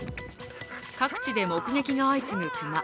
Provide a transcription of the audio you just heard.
各地で目撃が相次ぐ熊。